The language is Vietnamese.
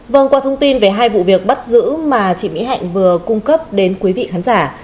vâng qua thông tin về hai vụ việc bắt giữ mà chị mỹ hạnh vừa cung cấp đến quý vị khán giả